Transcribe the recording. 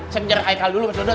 cengjer haikal dulu misalnya